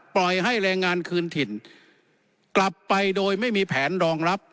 ปล่อยให้แรงงานขึ้นถิ่น